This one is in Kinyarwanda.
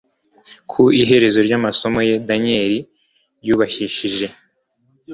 Ku iherezo ryamasomo ye Daniyeli yubahishije